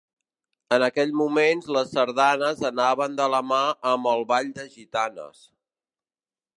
En aquells moments les sardanes anaven de la mà amb el Ball de Gitanes.